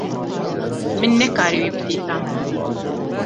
Min nekarî wî bidîta.